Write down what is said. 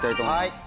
はい。